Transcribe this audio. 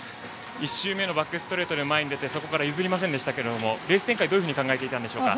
１周目のバックストレートで前に出て、そこから譲りませんでしたがレース展開はどういうふうに考えていたんですか？